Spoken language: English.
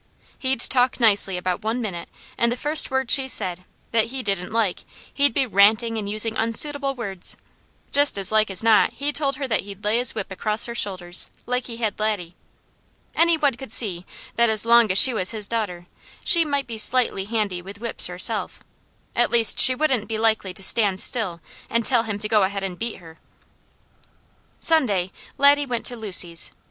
He'd talk nicely about one minute, and the first word she said, that he didn't like, he'd be ranting, and using unsuitable words. Just as like as not he told her that he'd lay his whip across her shoulders, like he had Laddie. Any one could see that as long as she was his daughter, she might be slightly handy with whips herself; at least she wouldn't be likely to stand still and tell him to go ahead and beat her. Sunday Laddie went to Lucy's.